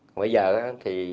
còn bây giờ á thì